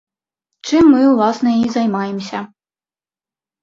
Чым мы ўласна і займаемся.